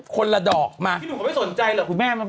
คนละดอกมาคุณหนูเขาไม่สนใจเหรอคุณแม่มัน